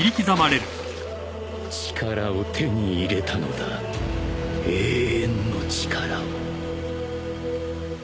［力を手に入れたのだ永遠の力を］